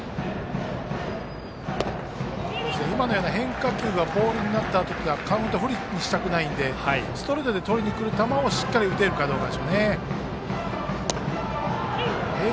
変化球がボールになった時はカウント不利にしたくないのでストレートでとりにくる球をしっかり打てるかでしょうね。